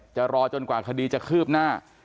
รอจนกว่าคดีจะคืบหน้า